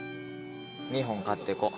２本買ってこう。